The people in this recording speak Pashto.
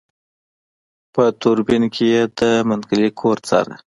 په دوربين کې يې د منګلي کور څاره.